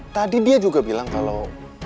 tadi dia juga bilang kalau